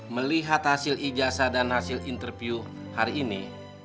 melihat hasil ijazah dan hasil interview hari ini